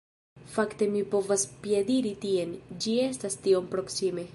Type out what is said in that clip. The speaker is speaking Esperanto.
Fakte mi povas piediri tien, ĝi estas tiom proksime.